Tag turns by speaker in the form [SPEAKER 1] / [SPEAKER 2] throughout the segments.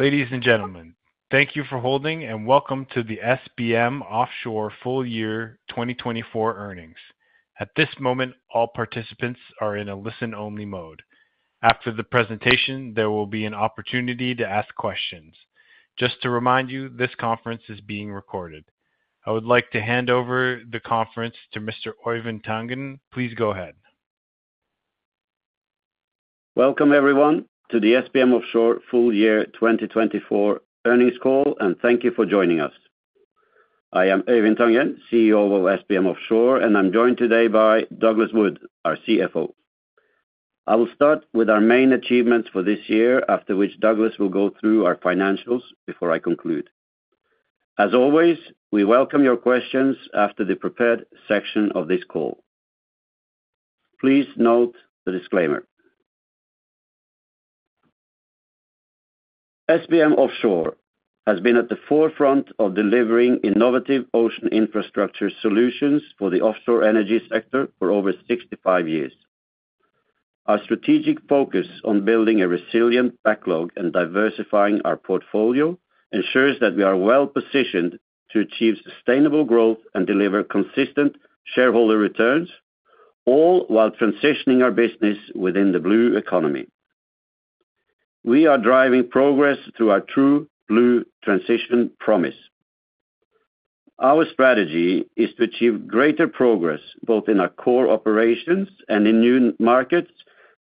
[SPEAKER 1] Ladies and gentlemen, thank you for holding, and welcome to the SBM Offshore full-year 2024 earnings. At this moment, all participants are in a listen-only mode. After the presentation, there will be an opportunity to ask questions. Just to remind you, this conference is being recorded. I would like to hand over the conference to Mr. Øivind Tangen. Please go ahead.
[SPEAKER 2] Welcome, everyone, to the SBM Offshore full-year 2024 earnings call, and thank you for joining us. I am Øivind Tangen, CEO of SBM Offshore, and I'm joined today by Douglas Wood, our CFO. I will start with our main achievements for this year, after which Douglas will go through our financials before I conclude. As always, we welcome your questions after the prepared section of this call. Please note the disclaimer. SBM Offshore has been at the forefront of delivering innovative ocean infrastructure solutions for the offshore energy sector for over 65 years. Our strategic focus on building a resilient backlog and diversifying our portfolio ensures that we are well-positioned to achieve sustainable growth and deliver consistent shareholder returns, all while transitioning our business within the Blue Economy. We are driving progress through our True Blue Transition promise. Our strategy is to achieve greater progress both in our core operations and in new markets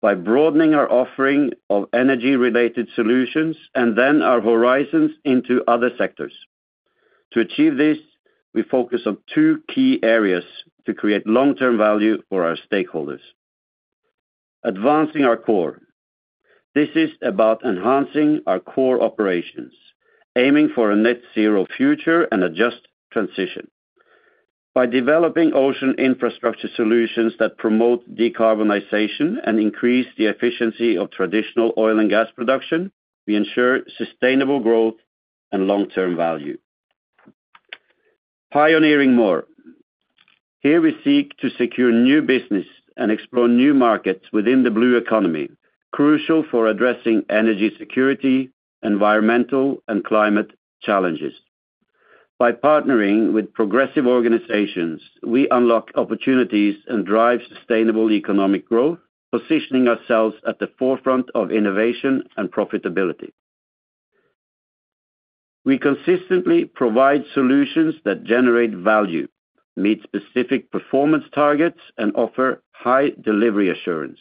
[SPEAKER 2] by broadening our offering of energy-related solutions and then our horizons into other sectors. To achieve this, we focus on two key areas to create long-term value for our stakeholders. Advancing our core. This is about enhancing our core operations, aiming for a net-zero future and a just transition. By developing ocean infrastructure solutions that promote decarbonization and increase the efficiency of traditional oil and gas production, we ensure sustainable growth and long-term value. Pioneering more. Here we seek to secure new business and explore new markets within the blue economy, crucial for addressing energy security, environmental, and climate challenges. By partnering with progressive organizations, we unlock opportunities and drive sustainable economic growth, positioning ourselves at the forefront of innovation and profitability. We consistently provide solutions that generate value, meet specific performance targets, and offer high delivery assurance.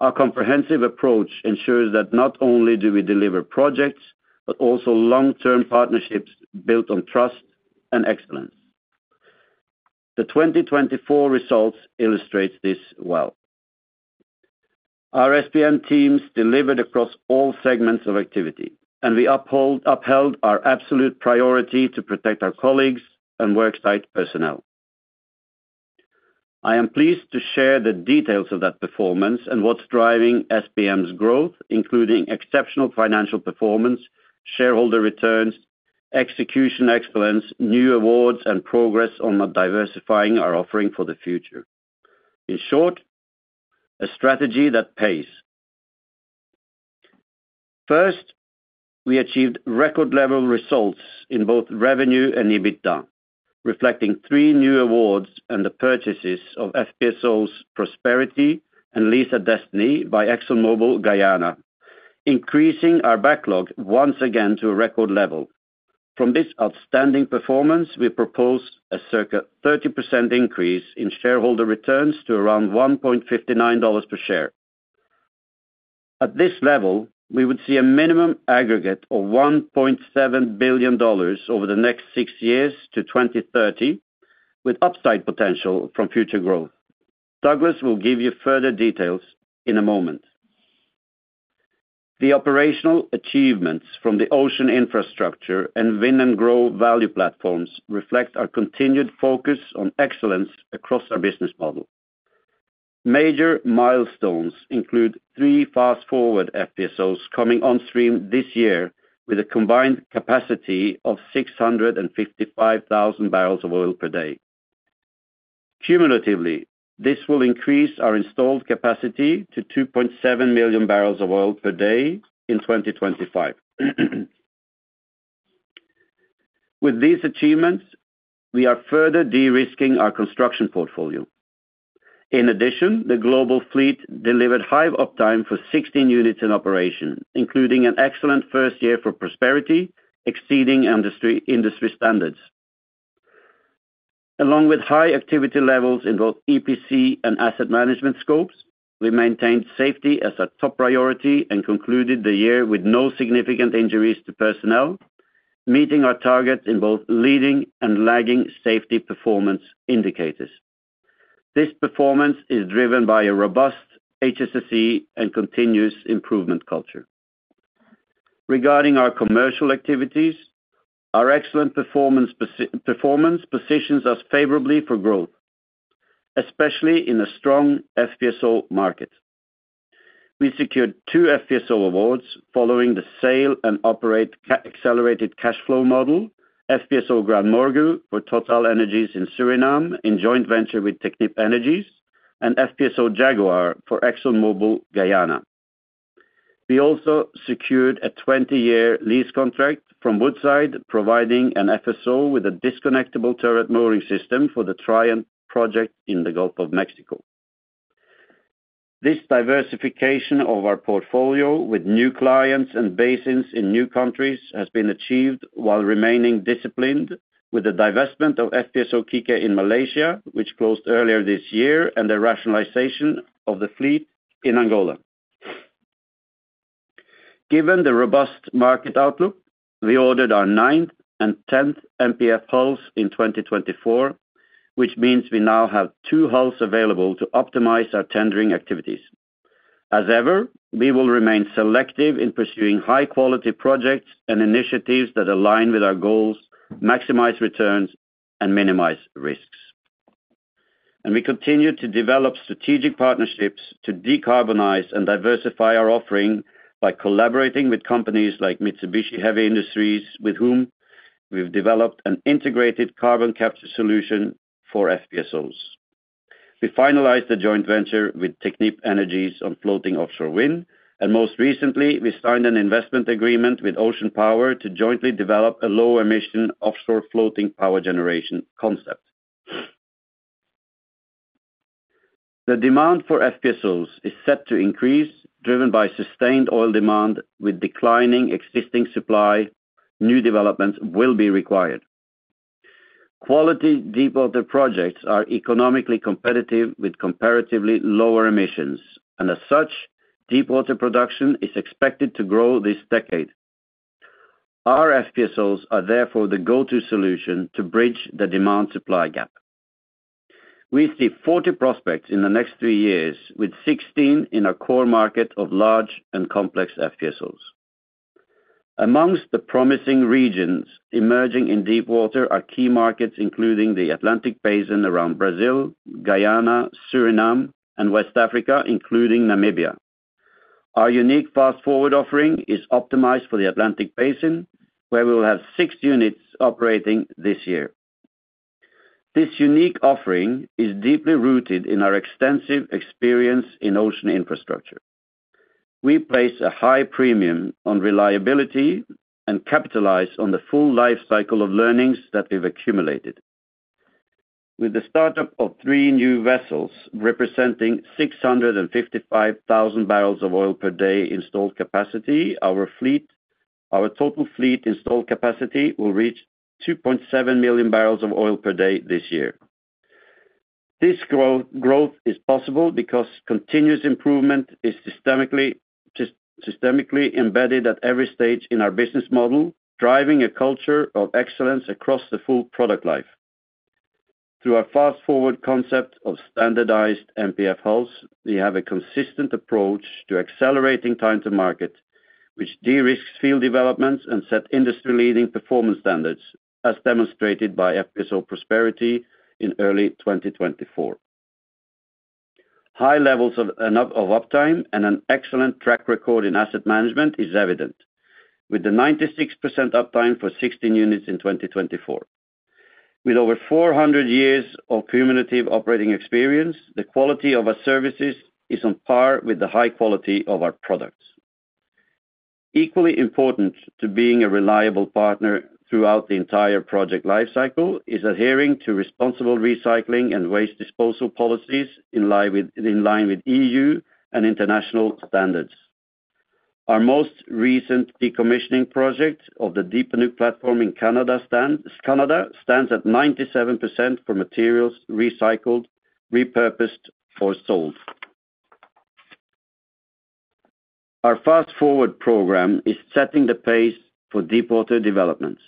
[SPEAKER 2] Our comprehensive approach ensures that not only do we deliver projects but also long-term partnerships built on trust and excellence. The 2024 results illustrate this well. Our SBM teams delivered across all segments of activity, and we upheld our absolute priority to protect our colleagues and worksite personnel. I am pleased to share the details of that performance and what's driving SBM's growth, including exceptional financial performance, shareholder returns, execution excellence, new awards, and progress on diversifying our offering for the future. In short, a strategy that pays. First, we achieved record-level results in both revenue and EBITDA, reflecting three new awards and the purchases of FPSOs Prosperity and Liza Destiny by ExxonMobil Guyana, increasing our backlog once again to a record level. From this outstanding performance, we proposed a circa 30% increase in shareholder returns to around $1.59 per share. At this level, we would see a minimum aggregate of $1.7 billion over the next six years to 2030, with upside potential from future growth. Douglas will give you further details in a moment. The operational achievements from the ocean infrastructure and Win & Grow value platforms reflect our continued focus on excellence across our business model. Major milestones include three Fast4Ward FPSOs coming on stream this year with a combined capacity of 655,000 barrels of oil per day. Cumulatively, this will increase our installed capacity to 2.7 million barrels of oil per day in 2025. With these achievements, we are further de-risking our construction portfolio. In addition, the global fleet delivered high uptime for 16 units in operation, including an excellent first year for Prosperity, exceeding industry standards. Along with high activity levels in both EPC and asset management scopes, we maintained safety as our top priority and concluded the year with no significant injuries to personnel, meeting our targets in both leading and lagging safety performance indicators. This performance is driven by a robust HSSE and continuous improvement culture. Regarding our commercial activities, our excellent performance positions us favorably for growth, especially in a strong FPSO market. We secured two FPSO awards following the Sale and Operate Accelerated Cash Flow model, FPSO GranMorgu for TotalEnergies in Suriname in joint venture with Technip Energies, and FPSO Jaguar for ExxonMobil Guyana. We also secured a 20-year lease contract from Woodside, providing an FSO with a disconnectable turret mooring system for the Trion project in the Gulf of Mexico. This diversification of our portfolio with new clients and basins in new countries has been achieved while remaining disciplined, with the divestment of FPSO Kikeh in Malaysia, which closed earlier this year, and the rationalization of the fleet in Angola. Given the robust market outlook, we ordered our ninth and tenth MPF hulls in 2024, which means we now have two hulls available to optimize our tendering activities. As ever, we will remain selective in pursuing high-quality projects and initiatives that align with our goals, maximize returns, and minimize risks, and we continue to develop strategic partnerships to decarbonize and diversify our offering by collaborating with companies like Mitsubishi Heavy Industries, with whom we've developed an integrated carbon capture solution for FPSOs. We finalized the joint venture with Technip Energies on floating offshore wind, and most recently, we signed an investment agreement with Ocean Power to jointly develop a low-emission offshore floating power generation concept. The demand for FPSOs is set to increase, driven by sustained oil demand. With declining existing supply, new developments will be required. Quality deepwater projects are economically competitive with comparatively lower emissions, and as such, deepwater production is expected to grow this decade. Our FPSOs are therefore the go-to solution to bridge the demand-supply gap. We see 40 prospects in the next three years, with 16 in our core market of large and complex FPSOs. Among the promising regions emerging in deepwater are key markets including the Atlantic Basin around Brazil, Guyana, Suriname, and West Africa, including Namibia. Our unique Fast4Ward offering is optimized for the Atlantic Basin, where we will have six units operating this year. This unique offering is deeply rooted in our extensive experience in ocean infrastructure. We place a high premium on reliability and capitalize on the full lifecycle of learnings that we've accumulated. With the startup of three new vessels representing 655,000 barrels of oil per day installed capacity, our total fleet installed capacity will reach 2.7 million barrels of oil per day this year. This growth is possible because continuous improvement is systemically embedded at every stage in our business model, driving a culture of excellence across the full product life. Through our Fast4Ward concept of standardized MPF hulls, we have a consistent approach to accelerating time to market, which de-risks field developments and sets industry-leading performance standards, as demonstrated by FPSO Prosperity in early 2024. High levels of uptime and an excellent track record in asset management is evident, with the 96% uptime for 16 units in 2024. With over 400 years of cumulative operating experience, the quality of our services is on par with the high quality of our products. Equally important to being a reliable partner throughout the entire project lifecycle is adhering to responsible recycling and waste disposal policies in line with EU and international standards. Our most recent decommissioning project of the Deep Panuke platform in Canada stands at 97% for materials recycled, repurposed, or sold. Our Fast4Ward program is setting the pace for deepwater developments.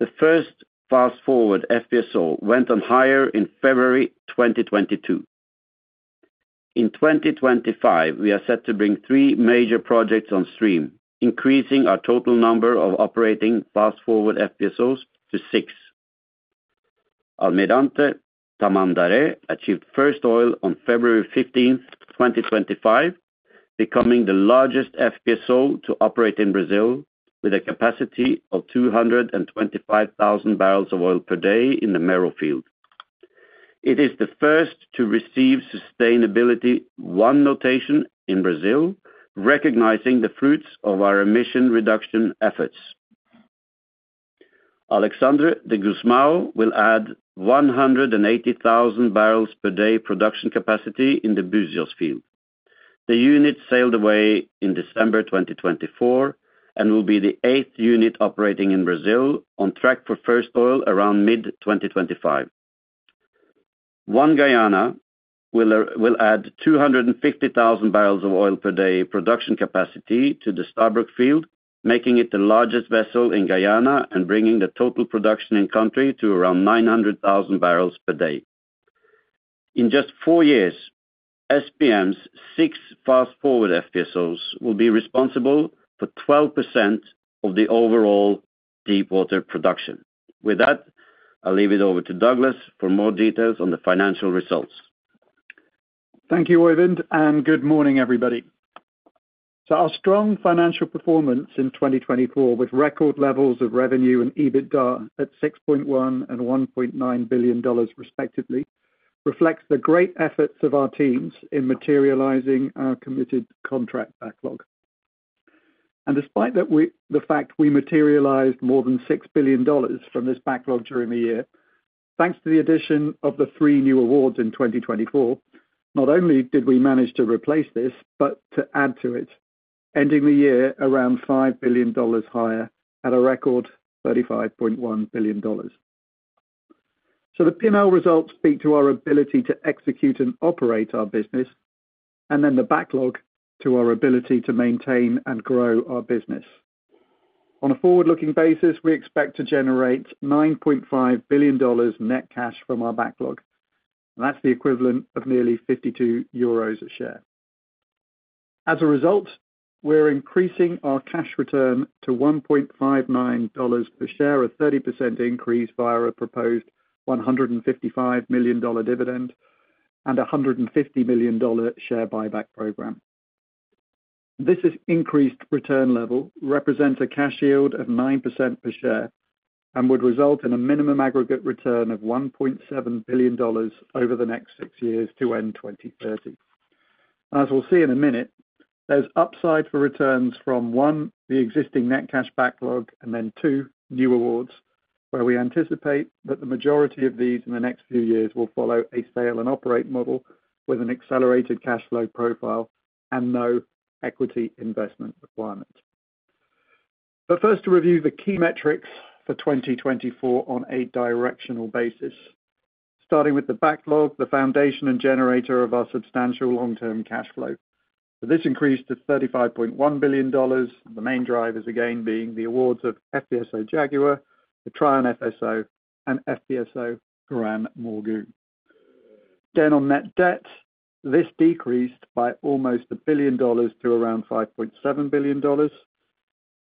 [SPEAKER 2] The first Fast4Ward FPSO went on hire in February 2022. In 2025, we are set to bring three major projects on stream, increasing our total number of operating Fast4Ward FPSOs to six. Almirante Tamandaré achieved first oil on February 15, 2025, becoming the largest FPSO to operate in Brazil with a capacity of 225,000 barrels of oil per day in the Mero field. It is the first to receive Sustainability I notation in Brazil, recognizing the fruits of our emission reduction efforts. Alexandre de Guzmão will add 180,000 barrels per day production capacity in the Búzios field. The unit sailed away in December 2024 and will be the eighth unit operating in Brazil on track for first oil around mid-2025. One Guyana will add 250,000 barrels of oil per day production capacity to the Stabroek field, making it the largest vessel in Guyana and bringing the total production in country to around 900,000 barrels per day. In just four years, SBM's six Fast4Ward FPSOs will be responsible for 12% of the overall deepwater production. With that, I'll leave it over to Douglas for more details on the financial results.
[SPEAKER 3] Thank you, Øivind, and good morning, everybody. Our strong financial performance in 2024, with record levels of revenue and EBITDA at $6.1 billion and $1.9 billion respectively, reflects the great efforts of our teams in materializing our committed contract backlog. Despite the fact we materialized more than $6 billion from this backlog during the year, thanks to the addition of the three new awards in 2024, not only did we manage to replace this, but to add to it, ending the year around $5 billion higher at a record $35.1 billion. The P&L results speak to our ability to execute and operate our business, and then the backlog to our ability to maintain and grow our business. On a forward-looking basis, we expect to generate $9.5 billion net cash from our backlog, and that's the equivalent of nearly €52 a share. As a result, we're increasing our cash return to $1.59 per share, a 30% increase via a proposed $155 million dividend and a $150 million share buyback program. This increased return level represents a cash yield of 9% per share and would result in a minimum aggregate return of $1.7 billion over the next six years to end 2030. As we'll see in a minute, there's upside for returns from, one, the existing net cash backlog, and then, two, new awards, where we anticipate that the majority of these in the next few years will follow a sale-and-operate model with an accelerated cash flow profile and no equity investment requirement. But first, to review the key metrics for 2024 on a directional basis, starting with the backlog, the foundation and generator of our substantial long-term cash flow. This increased to $35.1 billion. The main drivers, again, being the awards of FPSO Jaguar, the Trion FSO, and FPSO GranMorgu. Then, on net debt, this decreased by almost $1 billion to around $5.7 billion.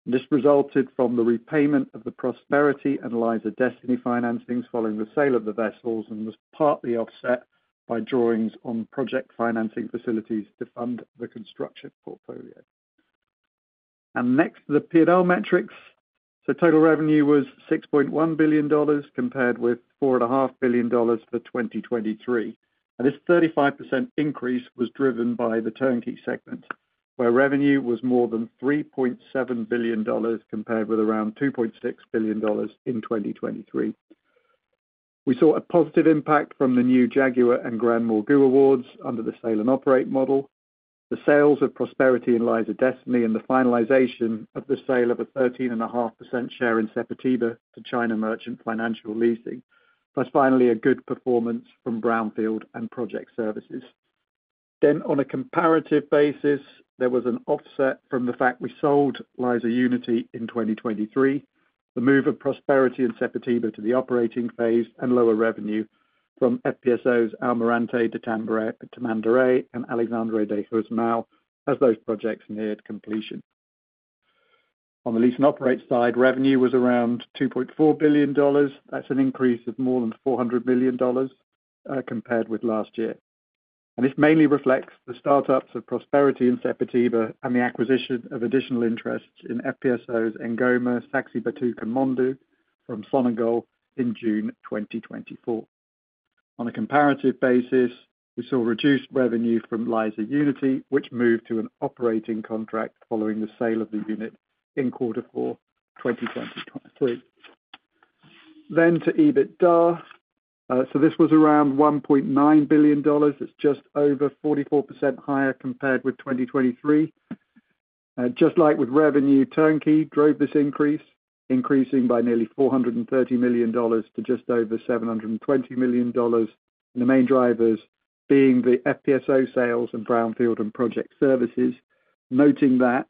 [SPEAKER 3] This resulted from the repayment of the Prosperity and Liza Destiny financings following the sale of the vessels and was partly offset by drawings on project financing facilities to fund the construction portfolio. Next, the P&L metrics. Total revenue was $6.1 billion compared with $4.5 billion for 2023. This 35% increase was driven by the turnkey segment, where revenue was more than $3.7 billion compared with around $2.6 billion in 2023. We saw a positive impact from the new Jaguar and GranMorgu awards under the Sale and Operate model, the sales of Prosperity and Liza Destiny, and the finalization of the sale of a 13.5% share in Sepetiba to China Merchants Financial Leasing, plus finally a good performance from Brownfield and Project Services, then on a comparative basis, there was an offset from the fact we sold Liza Unity in 2023, the move of Prosperity and Sepetiba to the operating phase, and lower revenue from FPSOs Almirante Tamandaré and Alexandre de Guzmão as those projects neared completion. On the lease-and-operate side, revenue was around $2.4 billion. That's an increase of more than $400 million compared with last year, and this mainly reflects the startups of Prosperity and Sepetiba and the acquisition of additional interests in FPSOs N'Goma, Saxi Batuque, and Mondo from Sonagol in June 2024. On a comparative basis, we saw reduced revenue from Liza Unity, which moved to an operating contract following the sale of the unit in quarter four 2023. Then, to EBITDA. So this was around $1.9 billion. It's just over 44% higher compared with 2023. Just like with revenue, Turnkey drove this increase, increasing by nearly $430 million to just over $720 million, and the main drivers being the FPSO sales and brownfield and Project Services. Noting that,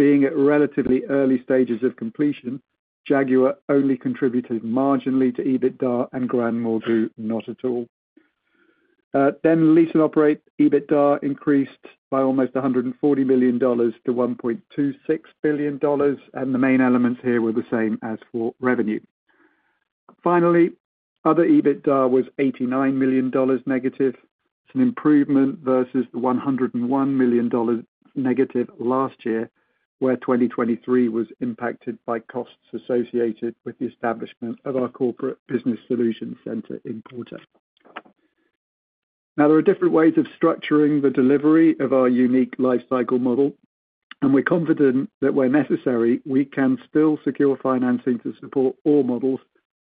[SPEAKER 3] being at relatively early stages of completion, Jaguar only contributed marginally to EBITDA and GranMorgu not at all. Then, Lease and Operate EBITDA increased by almost $140 million to $1.26 billion, and the main elements here were the same as for revenue. Finally, other EBITDA was -$89 million. It's an improvement versus the $101 million negative last year, where 2023 was impacted by costs associated with the establishment of our corporate business solution center in Porto. Now, there are different ways of structuring the delivery of our unique lifecycle model, and we're confident that where necessary, we can still secure financing to support all models,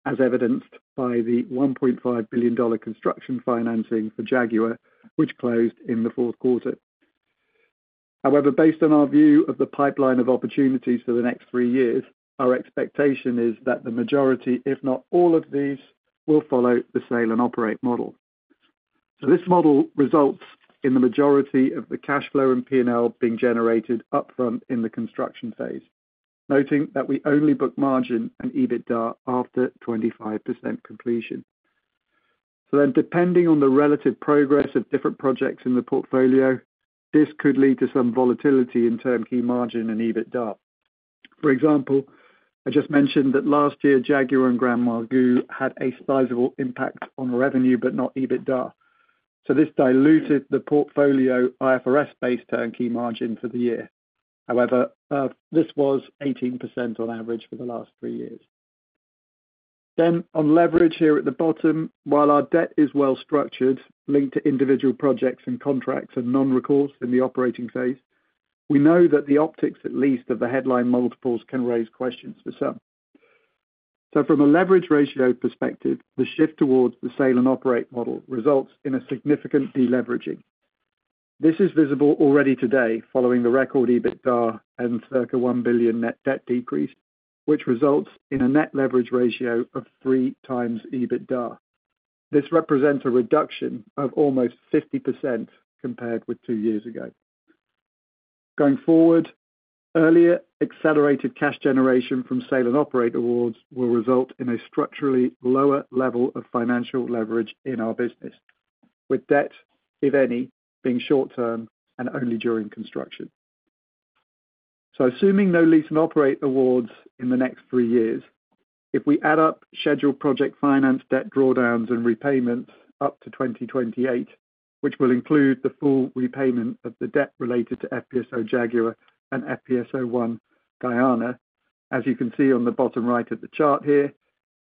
[SPEAKER 3] as evidenced by the $1.5 billion construction financing for Jaguar, which closed in the fourth quarter. However, based on our view of the pipeline of opportunities for the next three years, our expectation is that the majority, if not all of these, will follow the sale-and-operate model. So this model results in the majority of the cash flow and P&L being generated upfront in the construction phase, noting that we only book margin and EBITDA after 25% completion. So then, depending on the relative progress of different projects in the portfolio, this could lead to some volatility in turnkey margin and EBITDA. For example, I just mentioned that last year, Jaguar and GranMorgu had a sizable impact on revenue, but not EBITDA. So this diluted the portfolio IFRS-based turnkey margin for the year. However, this was 18% on average for the last three years. Then, on leverage here at the bottom, while our debt is well-structured, linked to individual projects and contracts and non-recourse in the operating phase, we know that the optics, at least, of the headline multiples can raise questions for some. So from a leverage ratio perspective, the shift towards the sale and operate model results in a significant deleveraging. This is visible already today following the record EBITDA and circa $1 billion net debt decrease, which results in a net leverage ratio of three times EBITDA. This represents a reduction of almost 50% compared with two years ago. Going forward, earlier accelerated cash generation from sale-and-operate awards will result in a structurally lower level of financial leverage in our business, with debt, if any, being short-term and only during construction, so assuming no lease-and-operate awards in the next three years, if we add up scheduled project finance debt drawdowns and repayments up to 2028, which will include the full repayment of the debt related to FPSO Jaguar and FPSO One Guyana, as you can see on the bottom right of the chart here,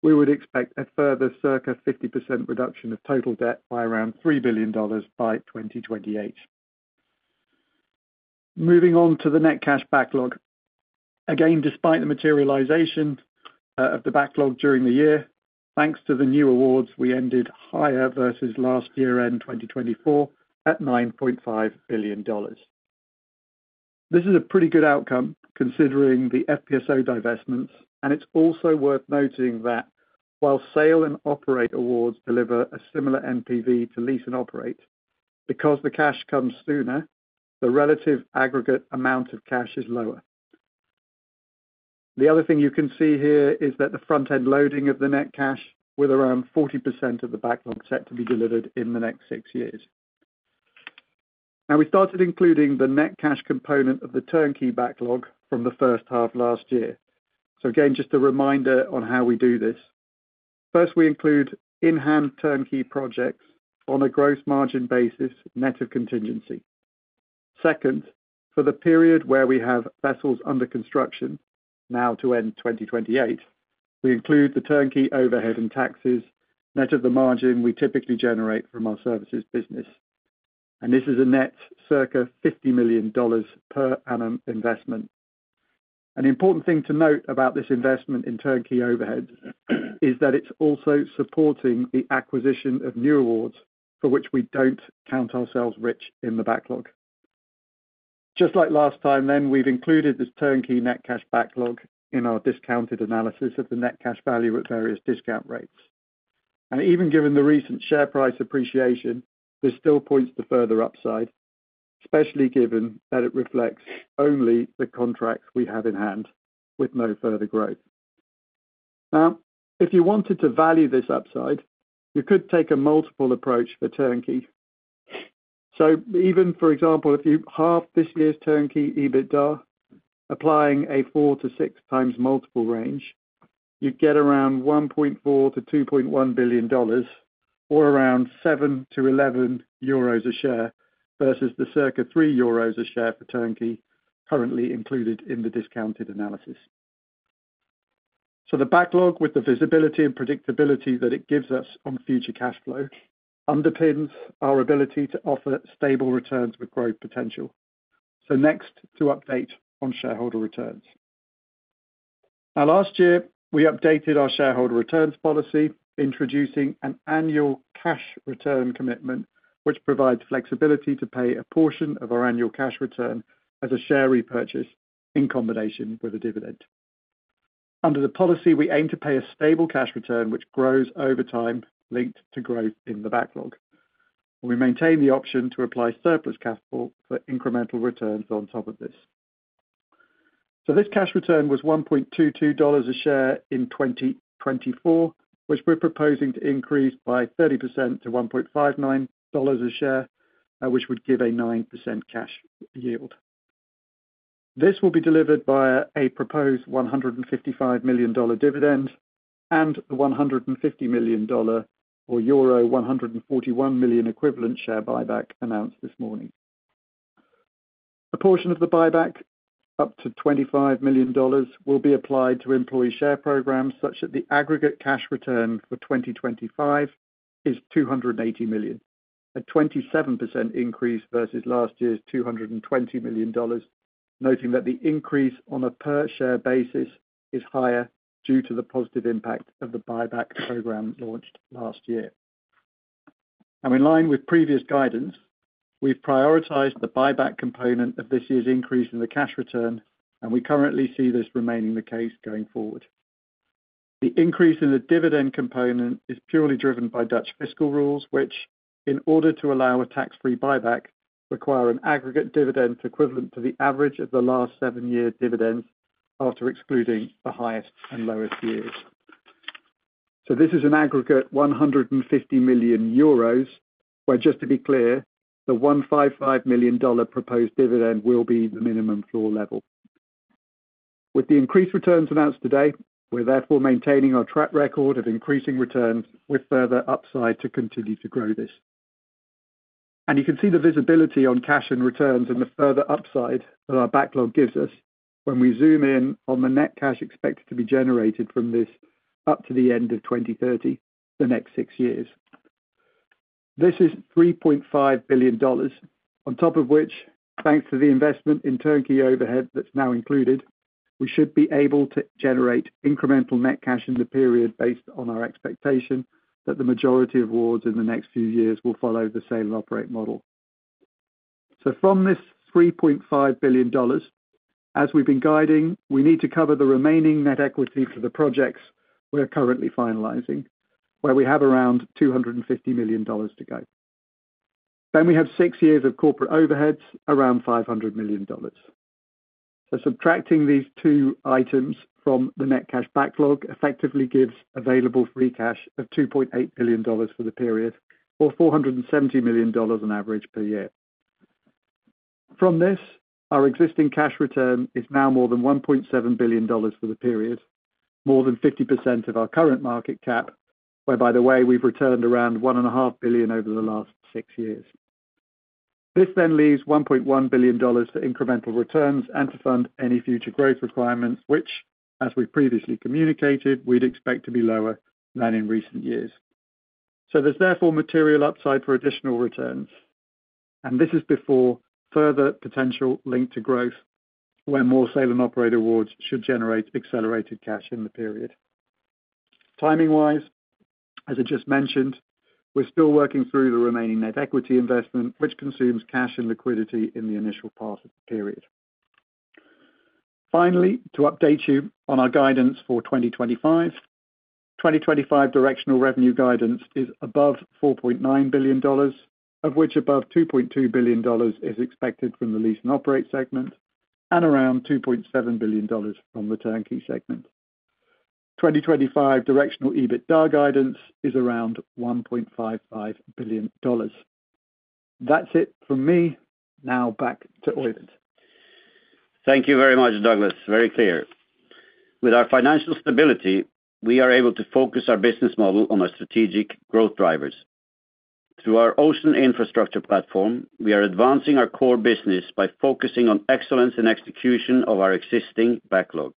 [SPEAKER 3] we would expect a further circa 50% reduction of total debt by around $3 billion by 2028. Moving on to the net cash backlog. Again, despite the materialization of the backlog during the year, thanks to the new awards, we ended higher versus last year-end 2024 at $9.5 billion. This is a pretty good outcome considering the FPSO divestments, and it's also worth noting that while sale-and-operate awards deliver a similar NPV to lease-and-operate, because the cash comes sooner, the relative aggregate amount of cash is lower. The other thing you can see here is that the front-end loading of the net cash, with around 40% of the backlog set to be delivered in the next six years. Now, we started including the net cash component of the turnkey backlog from the first half last year. So again, just a reminder on how we do this. First, we include in-hand turnkey projects on a gross margin basis net of contingency. Second, for the period where we have vessels under construction, now to end 2028, we include the turnkey overhead and taxes net of the margin we typically generate from our services business. And this is a net circa $50 million per annum investment. An important thing to note about this investment in turnkey overhead is that it's also supporting the acquisition of new awards for which we don't count ourselves rich in the backlog. Just like last time, then, we've included this turnkey net cash backlog in our discounted analysis of the net cash value at various discount rates. And even given the recent share price appreciation, this still points to further upside, especially given that it reflects only the contracts we have in hand with no further growth. Now, if you wanted to value this upside, you could take a multiple approach for turnkey. So even, for example, if you halve this year's Turnkey EBITDA, applying a four to six times multiple range, you'd get around $1.4-$2.1 billion, or around $7-$11 a share versus the circa $3 a share for Turnkey currently included in the discounted analysis. So the backlog, with the visibility and predictability that it gives us on future cash flow, underpins our ability to offer stable returns with growth potential. So next, to update on shareholder returns. Now, last year, we updated our shareholder returns policy, introducing an annual cash return commitment, which provides flexibility to pay a portion of our annual cash return as a share repurchase in combination with a dividend. Under the policy, we aim to pay a stable cash return which grows over time, linked to growth in the backlog. We maintain the option to apply surplus capital for incremental returns on top of this. So this cash return was $1.22 a share in 2024, which we're proposing to increase by 30% to $1.59 a share, which would give a 9% cash yield. This will be delivered via a proposed $155 million dividend and the $150 million or 141 million equivalent share buyback announced this morning. A portion of the buyback, up to $25 million, will be applied to employee share programs such that the aggregate cash return for 2025 is $280 million, a 27% increase versus last year's $220 million, noting that the increase on a per-share basis is higher due to the positive impact of the buyback program launched last year. Now, in line with previous guidance, we've prioritized the buyback component of this year's increase in the cash return, and we currently see this remaining the case going forward. The increase in the dividend component is purely driven by Dutch fiscal rules, which, in order to allow a tax-free buyback, require an aggregate dividend equivalent to the average of the last seven-year dividends after excluding the highest and lowest years. So this is an aggregate 150 million euros, where, just to be clear, the $155 million proposed dividend will be the minimum floor level. With the increased returns announced today, we're therefore maintaining our track record of increasing returns with further upside to continue to grow this. And you can see the visibility on cash and returns and the further upside that our backlog gives us when we zoom in on the net cash expected to be generated from this up to the end of 2030, the next six years. This is $3.5 billion, on top of which, thanks to the investment in turnkey overhead that's now included, we should be able to generate incremental net cash in the period based on our expectation that the majority of awards in the next few years will follow the sale-and-operate model. So from this $3.5 billion, as we've been guiding, we need to cover the remaining net equity for the projects we're currently finalizing, where we have around $250 million to go. Then we have six years of corporate overheads, around $500 million. So subtracting these two items from the net cash backlog effectively gives available free cash of $2.8 billion for the period, or $470 million on average per year. From this, our existing cash return is now more than $1.7 billion for the period, more than 50% of our current market cap, where, by the way, we've returned around $1.5 billion over the last six years. This then leaves $1.1 billion for incremental returns and to fund any future growth requirements, which, as we've previously communicated, we'd expect to be lower than in recent years. So there's therefore material upside for additional returns, and this is before further potential linked to growth, where more sale-and-operate awards should generate accelerated cash in the period. Timing-wise, as I just mentioned, we're still working through the remaining net equity investment, which consumes cash and liquidity in the initial part of the period. Finally, to update you on our guidance for 2025, 2025 directional revenue guidance is above $4.9 billion, of which above $2.2 billion is expected from the Lease and Operate segment and around $2.7 billion from the Turnkey segment. 2025 directional EBITDA guidance is around $1.55 billion. That's it from me. Now, back to Øivind.
[SPEAKER 2] Thank you very much, Douglas. Very clear. With our financial stability, we are able to focus our business model on our strategic growth drivers. Through our Ocean Infrastructure platform, we are advancing our core business by focusing on excellence and execution of our existing backlog.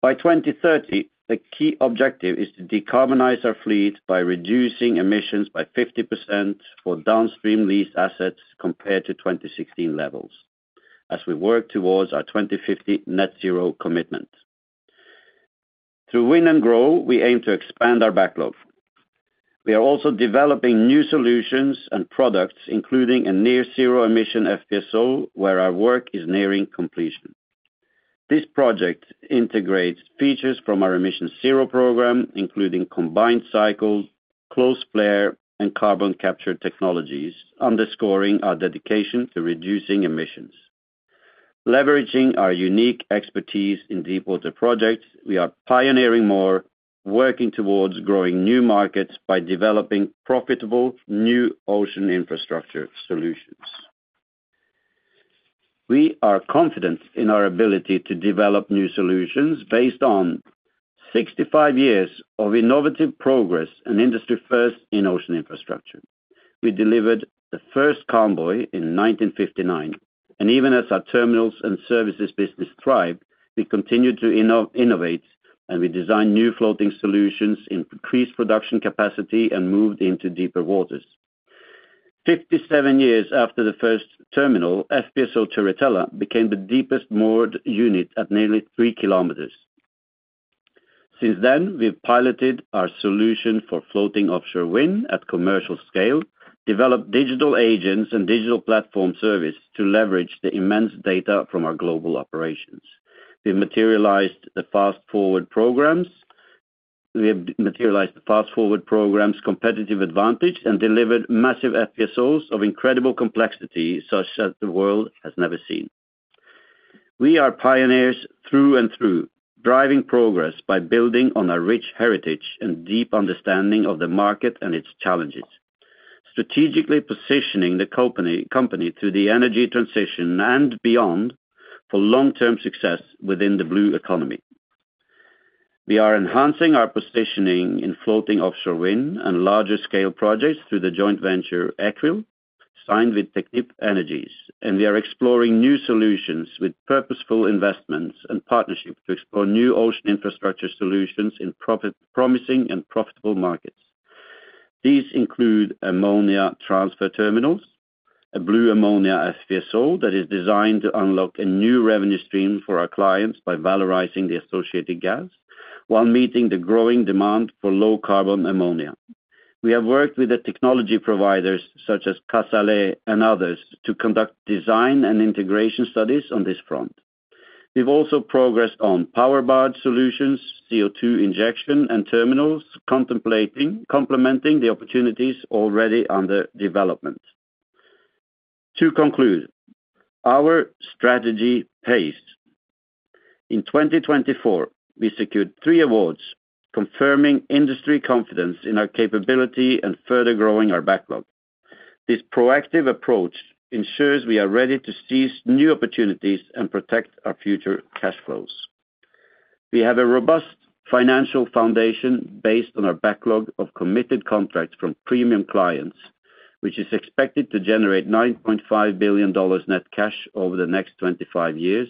[SPEAKER 2] By 2030, the key objective is to decarbonize our fleet by reducing emissions by 50% for downstream lease assets compared to 2016 levels, as we work towards our 2050 Net Zero commitment. Through Win & Grow, we aim to expand our backlog. We are also developing new solutions and products, including a near-zero emission FPSO, where our work is nearing completion. This project integrates features from our emissionZERO program, including combined cycle, closed flare, and carbon capture technologies, underscoring our dedication to reducing emissions. Leveraging our unique expertise in deepwater projects, we are pioneering more, working towards growing new markets by developing profitable new ocean infrastructure solutions. We are confident in our ability to develop new solutions based on 65 years of innovative progress and industry-first in ocean infrastructure. We delivered the first CALM buoy in 1959, and even as our terminals and services business thrived, we continued to innovate, and we designed new floating solutions, increased production capacity, and moved into deeper waters. 57 years after the first terminal, FPSO Turritella became the deepest moored unit at nearly 3 kilometers. Since then, we've piloted our solution for floating offshore wind at commercial scale, developed digital agents and digital platform service to leverage the immense data from our global operations. We've materialized the Fast4ward programs. We have materialized the Fast4ward programs' competitive advantage and delivered massive FPSOs of incredible complexity such that the world has never seen. We are pioneers through and through, driving progress by building on our rich heritage and deep understanding of the market and its challenges, strategically positioning the company through the energy transition and beyond for long-term success within the Blue Economy. We are enhancing our positioning in floating offshore wind and larger-scale projects through the joint venture EkWiL, signed with Technip Energies, and we are exploring new solutions with purposeful investments and partnerships to explore new ocean infrastructure solutions in promising and profitable markets. These include ammonia transfer terminals, a blue ammonia FPSO that is designed to unlock a new revenue stream for our clients by valorizing the associated gas while meeting the growing demand for low-carbon ammonia. We have worked with technology providers such as Casale and others to conduct design and integration studies on this front. We've also progressed on power barge solutions, CO2 injection, and terminals, complementing the opportunities already under development. To conclude, our strategy pays. In 2024, we secured three awards, confirming industry confidence in our capability and further growing our backlog. This proactive approach ensures we are ready to seize new opportunities and protect our future cash flows. We have a robust financial foundation based on our backlog of committed contracts from premium clients, which is expected to generate $9.5 billion net cash over the next 25 years,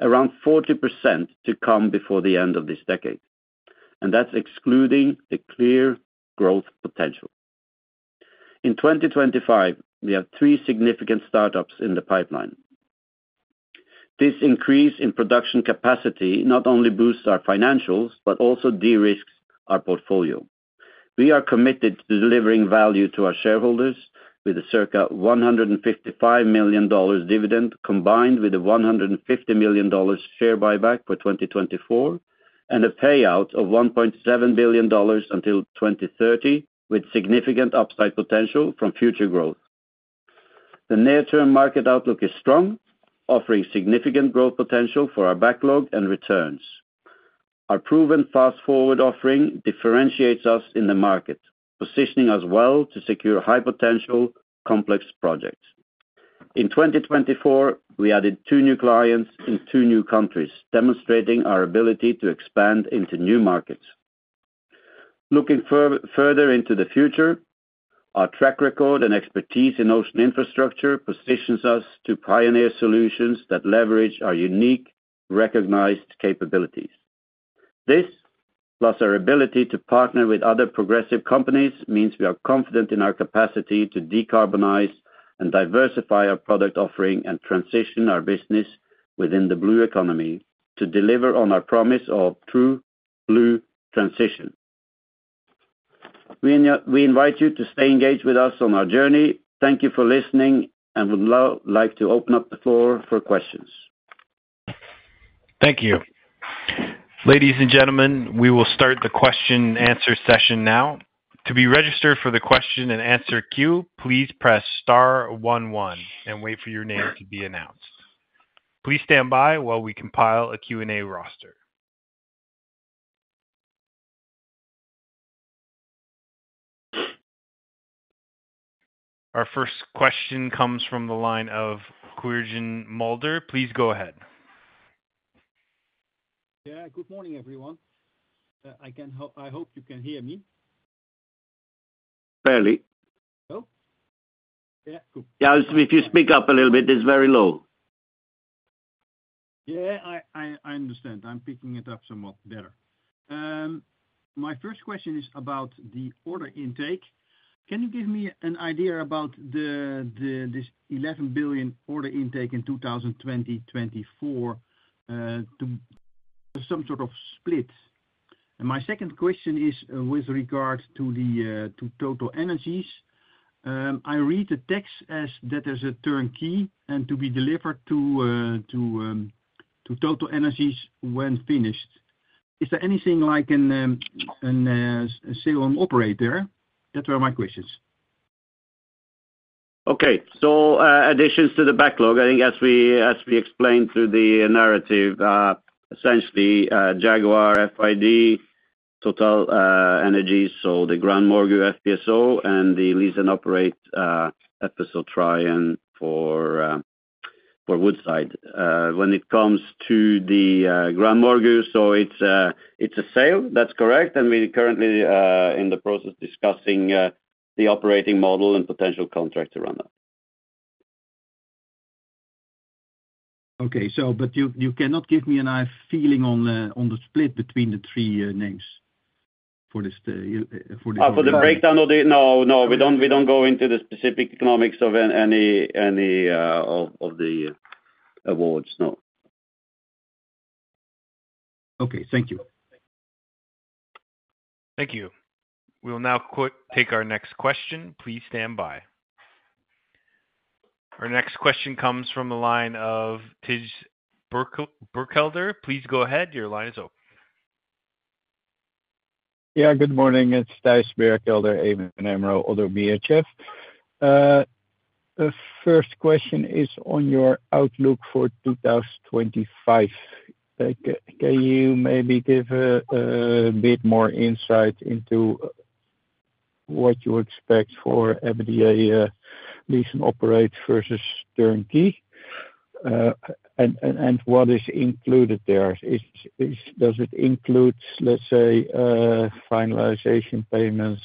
[SPEAKER 2] around 40% to come before the end of this decade. And that's excluding the clear growth potential. In 2025, we have three significant startups in the pipeline. This increase in production capacity not only boosts our financials but also de-risks our portfolio. We are committed to delivering value to our shareholders with a circa $155 million dividend combined with a $150 million share buyback for 2024 and a payout of $1.7 billion until 2030, with significant upside potential from future growth. The near-term market outlook is strong, offering significant growth potential for our backlog and returns. Our proven Fast4Ward offering differentiates us in the market, positioning us well to secure high-potential and complex projects. In 2024, we added two new clients in two new countries, demonstrating our ability to expand into new markets. Looking further into the future, our track record and expertise in ocean infrastructure positions us to pioneer solutions that leverage our unique, recognized capabilities. This, plus our ability to partner with other progressive companies, means we are confident in our capacity to decarbonize and diversify our product offering and transition our business within the Blue Economy to deliver on our promise of True Blue Transition. We invite you to stay engaged with us on our journey. Thank you for listening, and we'd now like to open up the floor for questions.
[SPEAKER 1] Thank you. Ladies and gentlemen, we will start the question-and-answer session now. To be registered for the question-and-answer queue, please press star 11 and wait for your name to be announced. Please stand by while we compile a Q&A roster. Our first question comes from the line of Quirijn Mulder. Please go ahead.
[SPEAKER 4] Yeah. Good morning, everyone. I hope you can hear me.
[SPEAKER 2] Fairly. Yeah. If you speak up a little bit, it's very low.
[SPEAKER 4] Yeah. I understand. I'm picking it up somewhat better. My first question is about the order intake. Can you give me an idea about this 11 billion order intake in 2020-24 to some sort of split? And my second question is with regard to TotalEnergies. I read the text as that there's a turnkey and to be delivered to TotalEnergies when finished. Is there anything like a sale-and-operate there? Those were my questions.
[SPEAKER 2] Okay, so additions to the backlog, I think, as we explained through the narrative, essentially Jaguar, FID, TotalEnergies, so the GranMorgu FPSO, and the lease-and-operate FSO Trion for Woodside. When it comes to the GranMorgu, so it's a sale. That's correct. And we're currently in the process of discussing the operating model and potential contracts around that.
[SPEAKER 4] Okay. But you cannot give me a feeling on the split between the three names for this?
[SPEAKER 2] For the breakdown, no, no. We don't go into the specific economics of any of the awards. No.
[SPEAKER 4] Okay. Thank you.
[SPEAKER 1] Thank you. We'll now take our next question. Please stand by. Our next question comes from the line of Thijs Berkelder. Please go ahead. Your line is open.
[SPEAKER 5] Yeah. Good morning. It's Thijs Berkelder, ABN AMRO ODDO BHF. The first question is on your outlook for 2025. Can you maybe give a bit more insight into what you expect for EBITDA lease-and-operate versus turnkey and what is included there? Does it include, let's say, finalization payments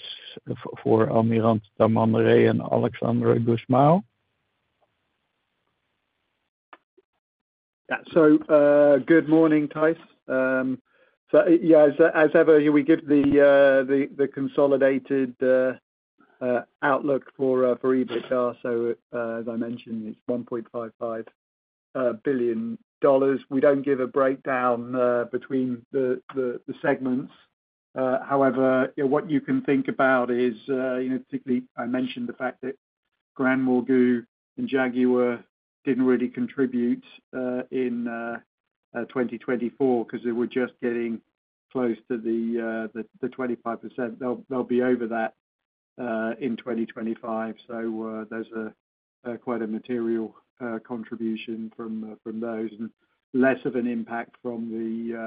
[SPEAKER 5] for Almirante Tamandaré and Alexandre de Guzmão?
[SPEAKER 3] Good morning, Thijs. So yeah, as ever, we give the consolidated outlook for EBITDA. So as I mentioned, it's $1.55 billion. We don't give a breakdown between the segments. However, what you can think about is, particularly, I mentioned the fact that GranMorgu and Jaguar didn't really contribute in 2024 because they were just getting close to the 25%. They'll be over that in 2025. So there's quite a material contribution from those and less of an impact from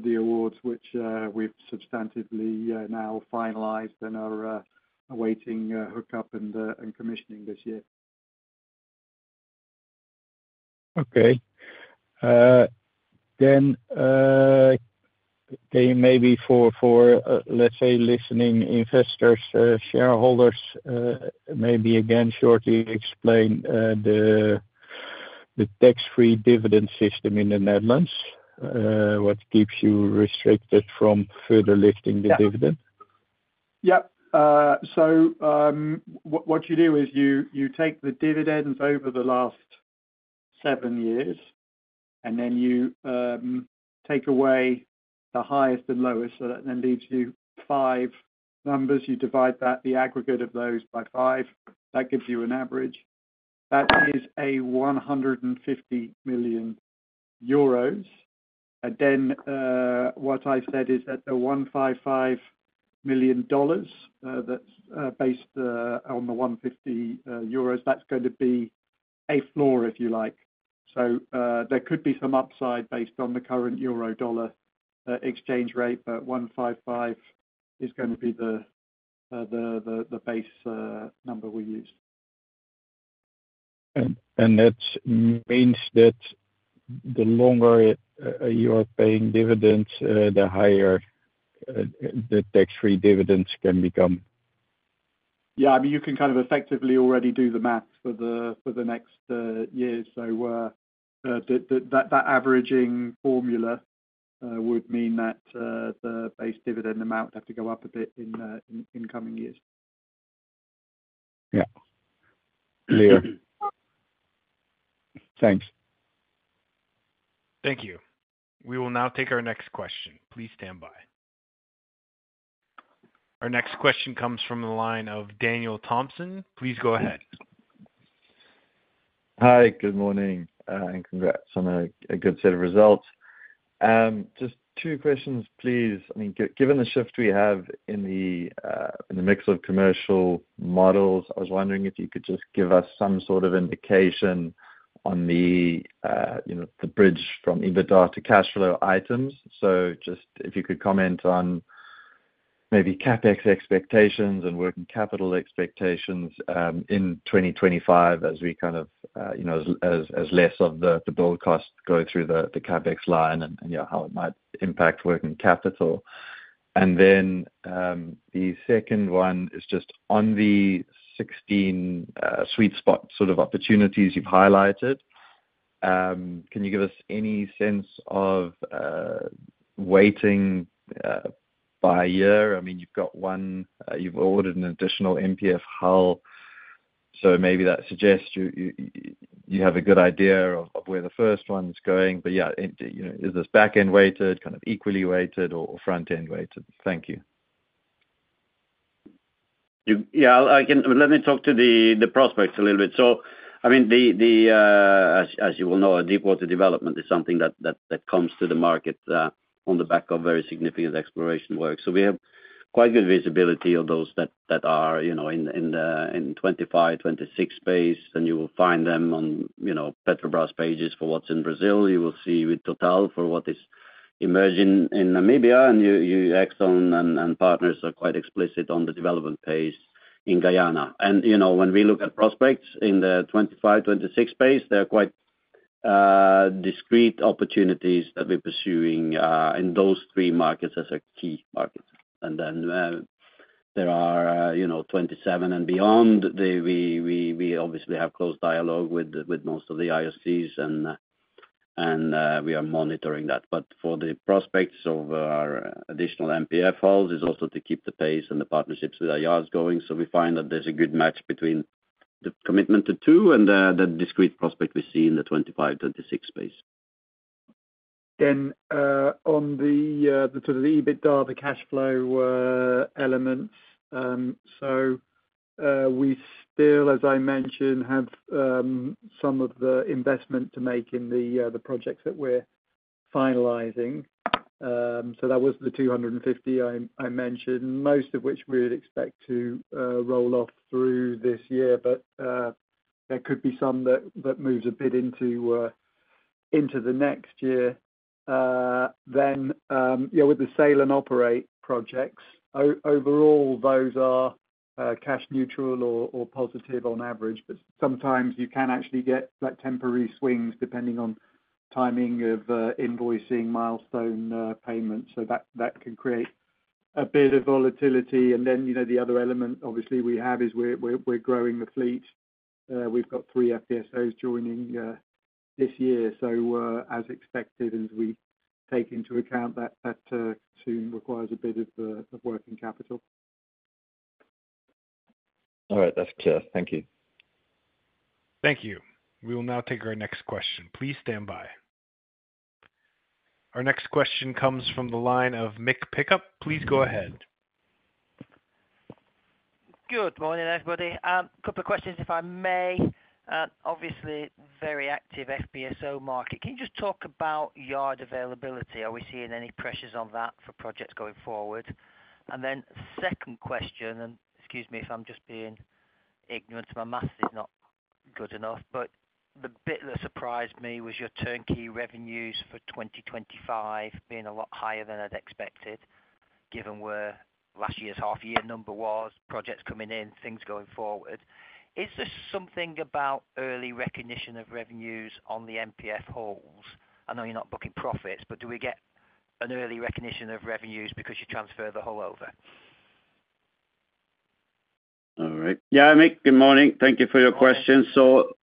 [SPEAKER 3] the awards, which we've substantively now finalized and are awaiting hookup and commissioning this year.
[SPEAKER 5] Okay, then can you maybe for, let's say, listening investors, shareholders, maybe again shortly explain the tax-free dividend system in the Netherlands? What keeps you restricted from further lifting the dividend?
[SPEAKER 3] Yeah. So what you do is you take the dividends over the last seven years, and then you take away the highest and lowest. So that then leaves you five numbers. You divide the aggregate of those by five. That gives you an average. That is a €150 million. And then what I said is that the $155 million that's based on the €150, that's going to be a floor, if you like. So there could be some upside based on the current euro/dollar exchange rate, but 155 is going to be the base number we use.
[SPEAKER 5] That means that the longer you are paying dividends, the higher the tax-free dividends can become?
[SPEAKER 3] Yeah. I mean, you can kind of effectively already do the math for the next year. So that averaging formula would mean that the base dividend amount would have to go up a bit in incoming years.
[SPEAKER 5] Yeah. Clear. Thanks.
[SPEAKER 1] Thank you. We will now take our next question. Please stand by. Our next question comes from the line of Daniel Thomson. Please go ahead.
[SPEAKER 6] Hi. Good morning. And congrats on a good set of results. Just two questions, please. I mean, given the shift we have in the mix of commercial models, I was wondering if you could just give us some sort of indication on the bridge from EBITDA to cash flow items. So just if you could comment on maybe CapEx expectations and working capital expectations in 2025 as we kind of less of the build costs go through the CapEx line and how it might impact working capital. And then the second one is just on the 16 sweet spot sort of opportunities you've highlighted, can you give us any sense of weighting by year? I mean, you've got one, you've ordered an additional MPF Hull. So maybe that suggests you have a good idea of where the first one's going. But yeah, is this back-end weighted, kind of equally weighted, or front-end weighted? Thank you.
[SPEAKER 2] Yeah. Again, let me talk to the prospects a little bit, so I mean, as you will know, deepwater development is something that comes to the market on the back of very significant exploration work, so we have quite good visibility of those that are in the 2025, 2026 space, and you will find them on Petrobras pages for what's in Brazil. You will see with Total for what is emerging in Namibia, and you, Exxon, and partners are quite explicit on the development pace in Guyana. And when we look at prospects in the 2025, 2026 space, there are quite discrete opportunities that we're pursuing in those three markets as key markets, and then there are 2027 and beyond. We obviously have close dialogue with most of the IOCs, and we are monitoring that. But for the prospects of our additional MPF hulls, it's also to keep the pace and the partnerships with IOCs going. So we find that there's a good match between the commitment to two and the discrete prospect we see in the 2025, 2026 space.
[SPEAKER 3] Then, on the sort of EBITDA, the cash flow elements, so we still, as I mentioned, have some of the investment to make in the projects that we're finalizing. So that was the 250 I mentioned, most of which we would expect to roll off through this year. But there could be some that moves a bit into the next year. Then with the sale and operate projects, overall, those are cash neutral or positive on average. But sometimes you can actually get temporary swings depending on timing of invoicing milestone payments. So that can create a bit of volatility. And then the other element, obviously, we have is we're growing the fleet. We've got three FPSOs joining this year. So as expected, as we take into account that soon requires a bit of working capital.
[SPEAKER 6] All right. That's clear. Thank you.
[SPEAKER 1] Thank you. We will now take our next question. Please stand by. Our next question comes from the line of Mick Pickup. Please go ahead.
[SPEAKER 7] Good morning, everybody. A couple of questions, if I may. Obviously, very active FPSO market. Can you just talk about yard availability? Are we seeing any pressures on that for projects going forward? And then second question, and excuse me if I'm just being ignorant and my math is not good enough, but the bit that surprised me was your turnkey revenues for 2025 being a lot higher than I'd expected, given where last year's half-year number was, projects coming in, things going forward. Is there something about early recognition of revenues on the MPF hulls? I know you're not booking profits, but do we get an early recognition of revenues because you transfer the hull over? All right.
[SPEAKER 2] Yeah. Mick, good morning. Thank you for your question. So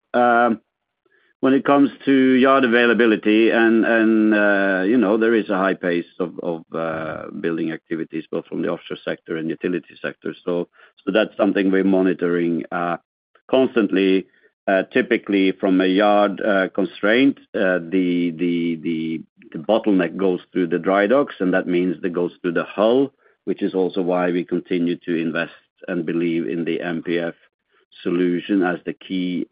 [SPEAKER 2] when it comes to yard availability, and there is a high pace of building activities, both from the offshore sector and utility sector. So that's something we're monitoring constantly. Typically, from a yard constraint, the bottleneck goes through the dry docks, and that means it goes through the hull, which is also why we continue to invest and believe in the MPF solution as the key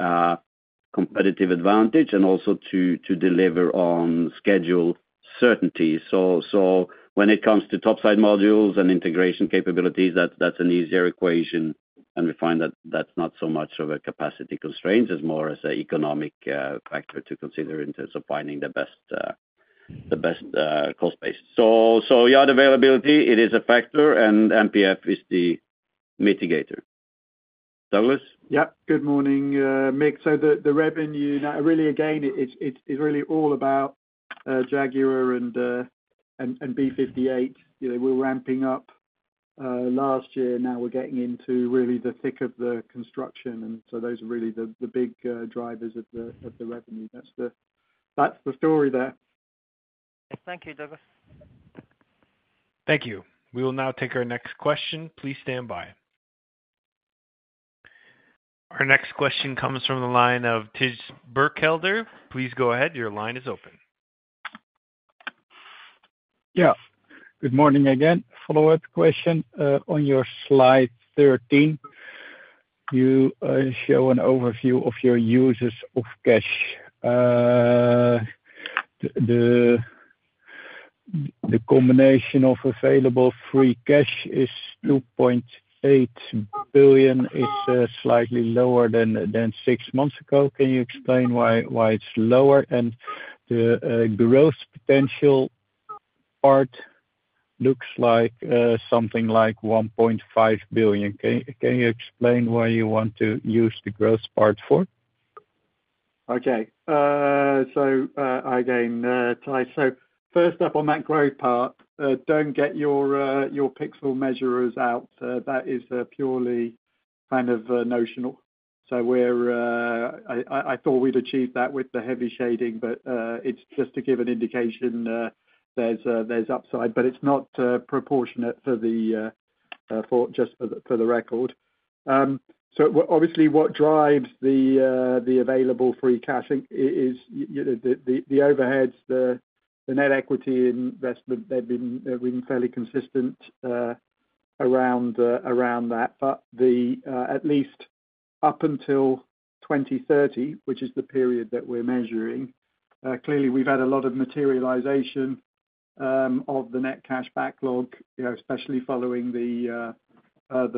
[SPEAKER 2] competitive advantage and also to deliver on schedule certainty. So when it comes to topside modules and integration capabilities, that's an easier equation. And we find that that's not so much of a capacity constraint. It's more as an economic factor to consider in terms of finding the best cost base. So yard availability, it is a factor, and MPF is the mitigator. Douglas?
[SPEAKER 3] Yeah. Good morning, Mick, so the revenue, really, again, it's really all about Jaguar and Búzios. We were ramping up last year. Now we're getting into really the thick of the construction, and so those are really the big drivers of the revenue. That's the story there.
[SPEAKER 7] Thank you, Douglas.
[SPEAKER 1] Thank you. We will now take our next question. Please stand by. Our next question comes from the line of Thijs Berkelder. Please go ahead. Your line is open.
[SPEAKER 5] Yeah. Good morning again. Follow-up question. On your slide 13, you show an overview of your uses of cash. The combination of available free cash is 2.8 billion. It's slightly lower than six months ago. Can you explain why it's lower? And the growth potential part looks like something like 1.5 billion. Can you explain why you want to use the growth part for?
[SPEAKER 3] Okay. So again, Thijs, so first up on that growth part, don't get your pixel measurers out. That is purely kind of notional. So I thought we'd achieve that with the heavy shading, but it's just to give an indication there's upside. But it's not proportionate just for the record. So obviously, what drives the available free cash is the overheads, the net equity investment. They've been fairly consistent around that. But at least up until 2030, which is the period that we're measuring, clearly, we've had a lot of materialization of the net cash backlog, especially following the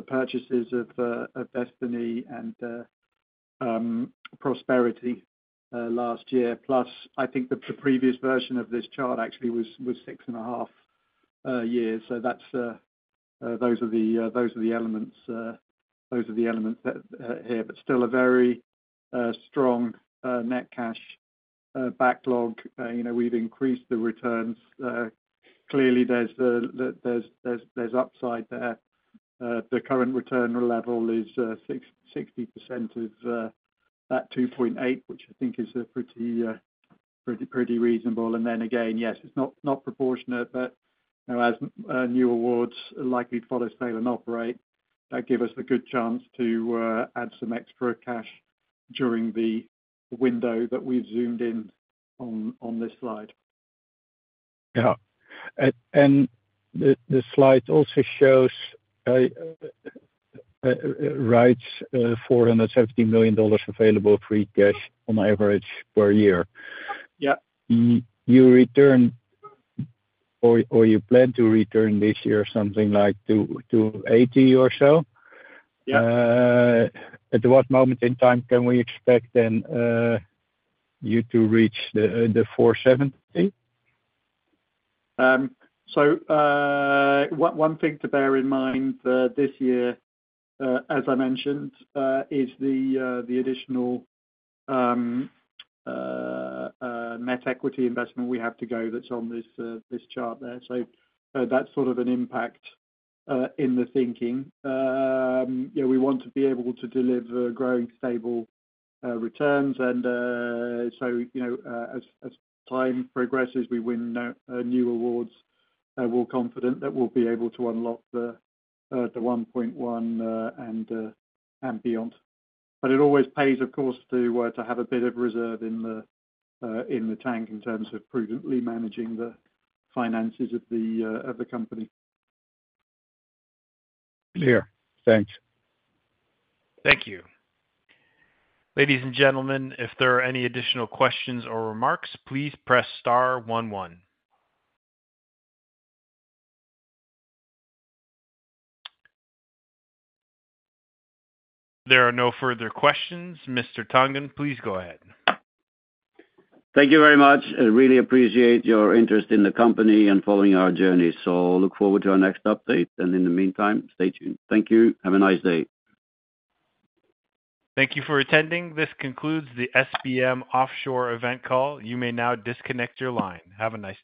[SPEAKER 3] purchases of Destiny and Prosperity last year. Plus, I think the previous version of this chart actually was six and a half years. So those are the elements here. But still a very strong net cash backlog. We've increased the returns. Clearly, there's upside there. The current return level is 60% of that 2.8, which I think is pretty reasonable. And then again, yes, it's not proportionate, but as new awards likely follow Sale and Operate, that gives us a good chance to add some extra cash during the window that we've zoomed in on this slide. Yeah. And the slide also writes $470 million available free cash on average per year. Yeah.
[SPEAKER 5] You return or you plan to return this year something like to 80 or so?
[SPEAKER 3] Yeah.
[SPEAKER 5] At what moment in time can we expect then you to reach the 470?
[SPEAKER 3] So one thing to bear in mind this year, as I mentioned, is the additional net equity investment we have to go that's on this chart there. So that's sort of an impact in the thinking. We want to be able to deliver growing stable returns. And so as time progresses, we win new awards, we're confident that we'll be able to unlock the 1.1 and beyond. But it always pays, of course, to have a bit of reserve in the tank in terms of prudently managing the finances of the company.
[SPEAKER 5] Clear. Thanks.
[SPEAKER 1] Thank you. Ladies and gentlemen, if there are any additional questions or remarks, please press star 11. There are no further questions. Mr. Tangen, please go ahead.
[SPEAKER 2] Thank you very much. I really appreciate your interest in the company and following our journey. So look forward to our next update. And in the meantime, stay tuned. Thank you. Have a nice day.
[SPEAKER 1] Thank you for attending. This concludes the SBM Offshore Event Call. You may now disconnect your line. Have a nice day.